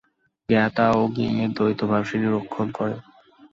জ্ঞাতা ও জ্ঞেয়ের দ্বৈতভাব সে নিরীক্ষণ করে।